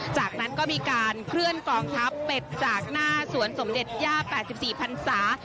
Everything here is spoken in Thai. จากนั้นก็มีการเคลื่อนกองทัพเป็ดจากหน้าสวนสมเด็จย่า๘๔พันศา